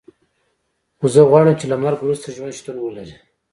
خو زه غواړم چې له مرګ وروسته ژوند شتون ولري